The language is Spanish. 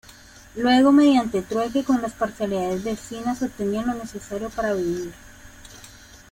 Luego mediante "trueque" con las parcialidades vecinas obtenían lo necesario para vivir.